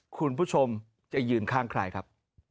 คุณผู้ชมจะยืนข้างใครครับ